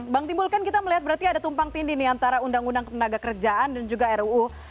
bang timbul kan kita melihat berarti ada tumpang tindih nih antara undang undang tenaga kerjaan dan juga ruu